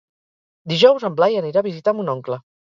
Dijous en Blai anirà a visitar mon oncle.